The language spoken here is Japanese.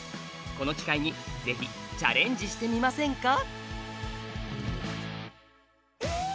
この機会にぜひチャレンジしてみませんか？